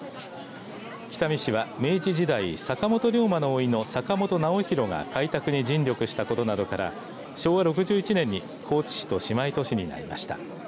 北見市は明治時代坂本龍馬のおいの坂本直寛が開拓に尽力したことなどから昭和６１年に高知市と姉妹都市になりました。